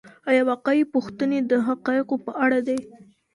آيا واقعي پوښتنې د حقایقو په اړه دي؟